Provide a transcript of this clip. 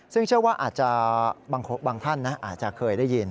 ซึ่งเชื่อว่าอาจจะบางท่านอาจจะเคยได้ยิน